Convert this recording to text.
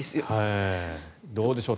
どうでしょう？